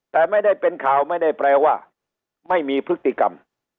แต่ไม่ได้เป็นข่าวไม่ได้แปลว่าไม่มีพฤติกรรม